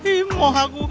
ih moh aku